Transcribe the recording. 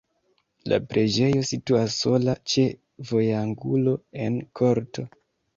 La preĝejo situas sola ĉe vojangulo en korto.